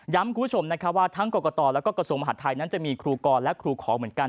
คุณผู้ชมนะครับว่าทั้งกรกตแล้วก็กระทรวงมหาดไทยนั้นจะมีครูกรและครูขอเหมือนกัน